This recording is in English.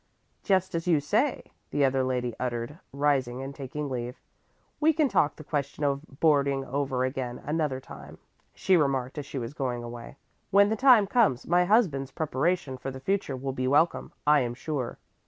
"Just as you say," the other lady uttered, rising and taking leave. "We can talk the question of boarding over again another time," she remarked as she was going away; "when the time comes, my husband's preparation for the future will be welcome, I am sure."